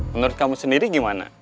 menurut kamu sendiri gimana